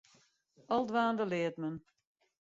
Al dwaande leart men.